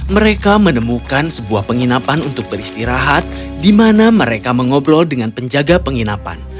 mereka menemukan sebuah penginapan untuk beristirahat di mana mereka mengobrol dengan penjaga penginapan